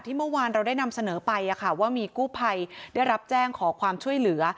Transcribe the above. เมื่อวานเราได้นำเสนอไปว่ามีกู้ภัยได้รับแจ้งขอความช่วยเหลือ